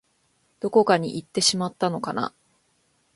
どこかにいってしまったのかな